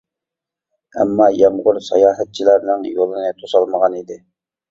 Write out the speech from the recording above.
ئەمما يامغۇر ساياھەتچىلەرنىڭ يولىنى توسالمىغان ئىدى.